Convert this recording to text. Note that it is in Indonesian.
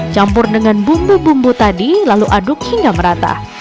campur dengan bumbu bumbu tadi lalu aduk hingga merata